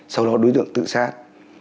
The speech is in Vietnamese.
sau đó đối tượng tự sát